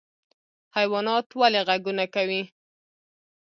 حیوانات ولې غږونه کوي؟